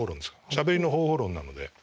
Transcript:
しゃべりの方法論なので。